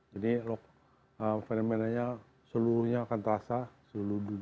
jadi fenomenanya seluruhnya akan terasa seluruh dunia